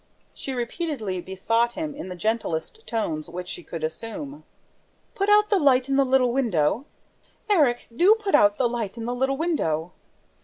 She repeatedly besought him, in the gentlest tones which she could assume: "Put out the light in the little window! ... Erik, do put out the light in the little window!"